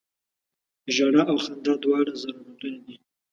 ژړا او خندا دواړه ضرورتونه دي.